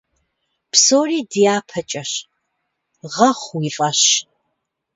Псори дяпэкӀэщ, гъэхъу уи фӀэщ.